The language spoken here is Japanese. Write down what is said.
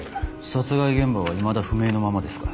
殺害現場はいまだ不明のままですか？